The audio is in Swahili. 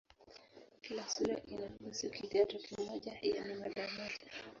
Kila sura inahusu "kidato" kimoja, yaani mada moja.